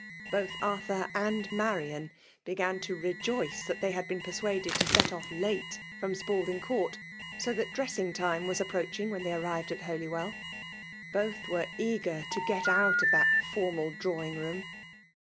Both Arthur and Marian began to rejoice that they had been persuaded to set off late from Spalding Court, so that dressing time was approaching when they arrived at Holy well. Both were eager to get out of that for mal drawing room.